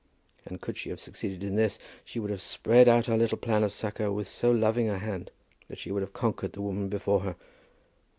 And could she have succeeded in this, she would have spread out her little plans of succour with so loving a hand that she would have conquered the woman before her.